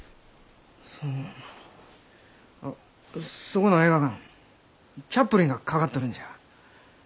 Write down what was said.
そのそこの映画館チャップリンがかかっとるんじゃ。